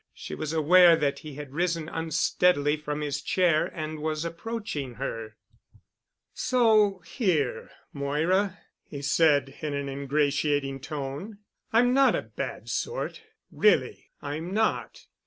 She was aware that he had risen unsteadily from his chair and was approaching her. "So here, Moira," he said in an ingratiating tone. "I'm not a bad sort—really I'm not.